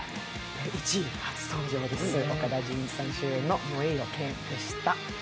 １位、初登場です、岡田准一さん主演の「燃えよ剣」でした。